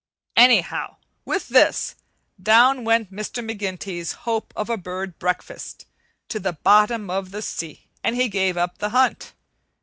Anyhow, with this, down went McGinty's hope of a bird breakfast "to the bottom of the sea," and he gave up the hunt.